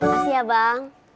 makasih ya bang